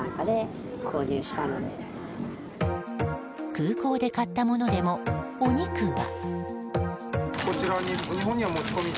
空港で買ったものでもお肉は。